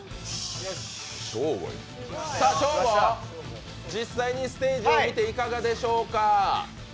ショーゴ、実際にステージを見ていかがでしょうか。